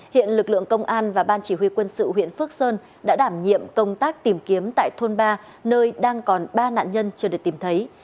hiện lực lượng công an và ban chỉ huy quân sự huyện phước sơn đã đảm nhiệm công tác tìm kiếm tại thôn ba nơi đang còn ba nạn nhân chưa được tìm thấy